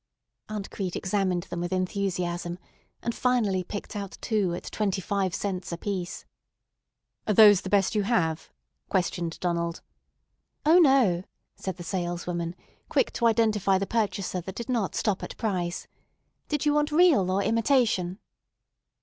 Aunt Crete examined them with enthusiasm, and finally picked out two at twenty five cents apiece. "Are those the best you have?" questioned Donald. "O, no," said the saleswoman, quick to identify the purchaser that did not stop at price; "did you want real or imitation?"